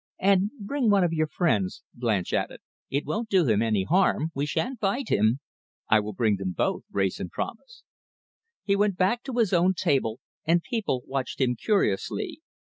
"And bring one of your friends," Blanche added. "It won't do him any harm. We shan't bite him!" "I will bring them both," Wrayson promised. He went back to his own table and people watched him curiously.